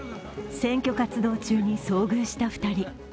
選挙活動中に遭遇した２人。